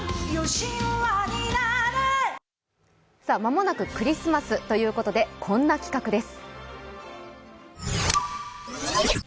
間もなくクリスマスということでこんな企画です。